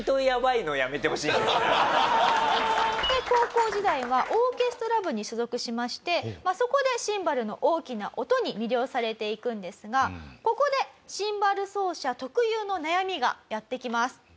高校時代はオーケストラ部に所属しましてそこでシンバルの大きな音に魅了されていくんですがここでシンバル奏者特有の悩みがやってきます。